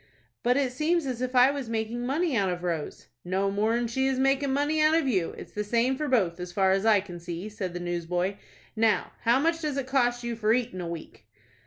"But it seems as if I was making money out of Rose." "No more'n she is making money out of you. It's the same for both, as far as I can see," said the newsboy. "Now, how much does it cost you for eatin' a week?"